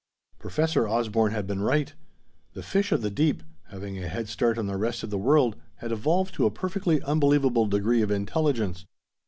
Professor Osborne had been right. The fish of the deep, having a head start on the rest of the world, had evolved to a perfectly unbelievable degree of intelligence.